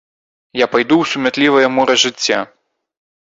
Я пайду ў сумятлівае мора жыцця.